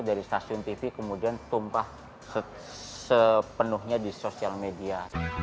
dari stasiun tv kemudian tumpah sepenuhnya di sosial media